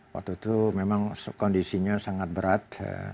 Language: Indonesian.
waktu itu memang kondisinya sangat berat